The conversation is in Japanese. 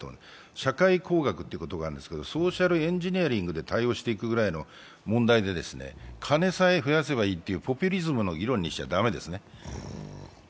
社会工学という言葉があるんですけれども、ソーシャルエンジニアリングという考えで対応していくくらいの問題で、金さえ増やせばいいというポピュリズムの議論にしちゃ駄目ですね。